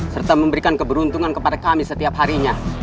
serta memberikan keberuntungan kepada kami setiap harinya